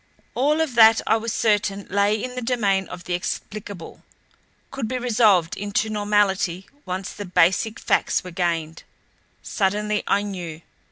All of that I was certain lay in the domain of the explicable, could be resolved into normality once the basic facts were gained. Suddenly, I knew.